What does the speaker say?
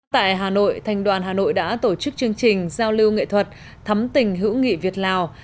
tại hà nội thành đoàn hà nội đã tổ chức chương trình giao lưu nghệ thuật thắm tình hữu nghị việt lào